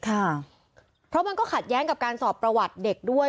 ค่ะเพราะมันก็ขัดแย้งกับการสอบประวัติเด็กด้วย